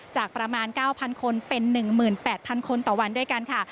จากประมาณ๙๐๐คนเป็น๑๘๐๐คนต่อวันด้วยกันค่ะ